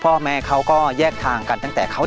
เพื่อจะไปชิงรางวัลเงินล้าน